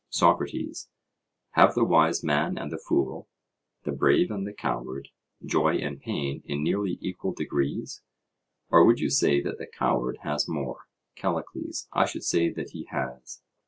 SOCRATES: Have the wise man and the fool, the brave and the coward, joy and pain in nearly equal degrees? or would you say that the coward has more? CALLICLES: I should say that he has.